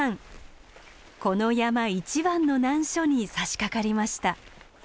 この山一番の難所にさしかかりました。